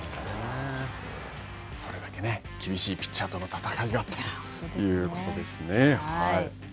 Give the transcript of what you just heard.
それだけ厳しいピッチャーとの戦いがあったということですね。